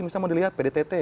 misalnya mau dilihat pdtt